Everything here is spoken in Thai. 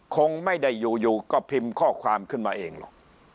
คงไม่ได้อยู่ก็พิมพ์ข้อความขึ้นมาเองหรอก